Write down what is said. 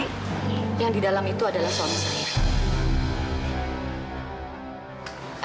yang di dalam itu adalah suami saya